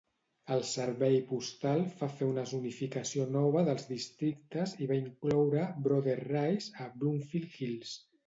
El servei postal fa fer una zonificació nova dels districtes i va incloure Brother Rice a "Bloomfield Hills".